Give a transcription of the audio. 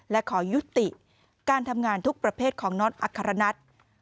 และขอยุติการทำงานทุกประเภทของน็อตอัครนัท